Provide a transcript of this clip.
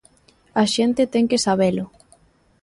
A xente ten que sabelo.